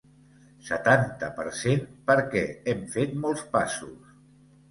Setanta per cent Perquè hem fet molts passos.